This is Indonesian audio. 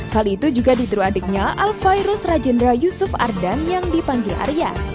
kali itu juga diturut adiknya alvairus rajendra yusuf ardan yang dipanggil arya